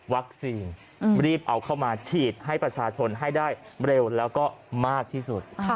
รีบเอาเข้ามาฉีดให้ประชาชนให้ได้เร็วแล้วก็มากที่สุด